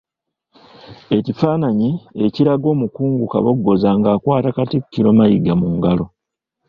Ekifaananyi ekiraga Omukungu Kabogoza nga akwata Katikkiro Mayiga mu ngalo.